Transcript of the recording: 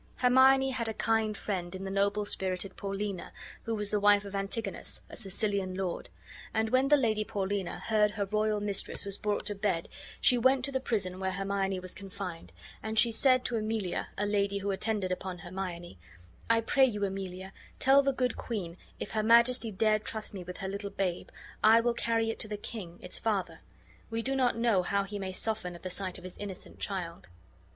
Hermione had a kind friend in the noble spirited Paulina, who was the wife of Antigonus, a Sicilian lord; and when the lady Paulina heard her royal mistress was brought to bed she went to the prison where Hermione was confined; and she said to Emilia, a lady who attended upon Hermione, "I pray you, Emilia, tell the good queen, if her Majesty dare trust me with her little babe, I will carry it to the king, its father: we do not know how he may soften at the sight of his innocent child."